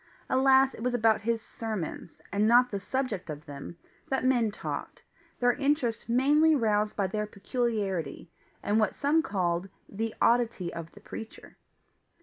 Alas, it was about his sermons, and not the subject of them, that men talked, their interest mainly roused by their PECULIARITY, and what some called the oddity of the preacher.